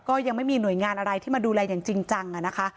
ก็ยังไม่มีหน่วยงานอะไรที่มาดูแลอย่างจริงจังนะคะ